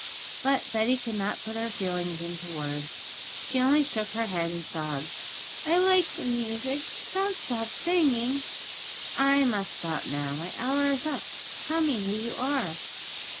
But Betty could not put her feelings into words; she only shook her head and sobbed, 'I like the music; don't stop singing.' 'I must stop now: my hour is up. Tell me who you are.'